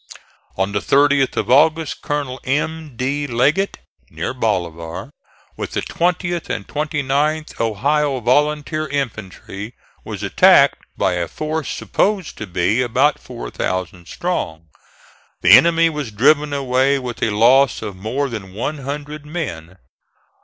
On the 30th of August Colonel M. D. Leggett, near Bolivar, with the 20th and 29th Ohio volunteer infantry, was attacked by a force supposed to be about 4,000 strong. The enemy was driven away with a loss of more than one hundred men.